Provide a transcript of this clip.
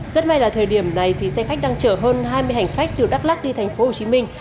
rất may là thời điểm này xe khách đang chở hơn hai mươi hành khách từ đắk lắc đi thành phố hồ chí minh